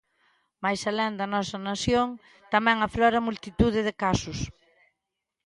Mais alén da nosa nación tamén afloran multitude de casos.